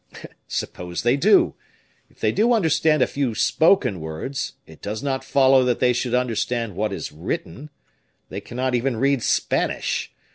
"Suppose they do! If they do understand a few spoken words, it does not follow that they should understand what is written. They cannot even read Spanish.